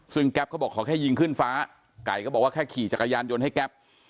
ซึ่งแก๊ปเขาบอกเขาแค่ยิงขึ้นฟ้าไก่ก็บอกว่าแค่ขี่จักรยานยนต์ให้แก๊ป